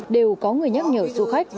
đều có người nhắc nhở du khách